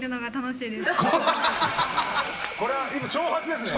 これは今挑発ですね。